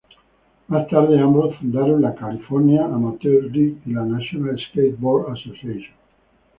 Más tarde, ambos fundaron la "California Amateur League" y la "National Skateboard Association".